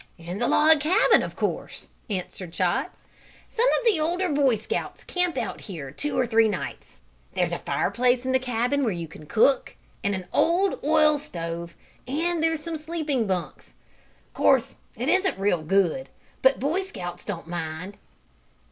"In the log cabin, of course," answered Chot. "Some of the older Boy Scouts camp out here two or three nights. There's a fireplace in the cabin where you can cook, and an old oil stove; and there's some sleeping bunks. Course it isn't real good, but Boy Scouts don't mind."